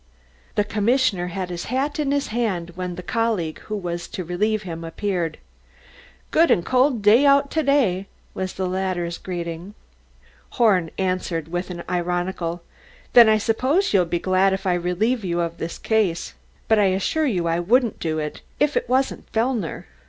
The commissioner had his hat in his hand when the colleague who was to relieve him appeared. "Good and cold out to day!" was the latter's greeting. Horn answered with an ironical: "Then I suppose you'll be glad if I relieve you of this case. But I assure you I wouldn't do it if it wasn't Fellner.